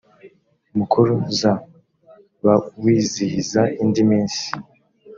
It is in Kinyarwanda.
mukuru z bawizihiza indi minsi